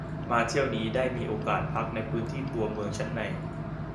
มาเที่ยวนี้ได้มีโอกาสพักในพื้นที่ตัวเมืองชั้นใน